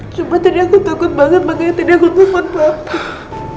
cuma tadi aku takut banget makanya tadi aku gufon pak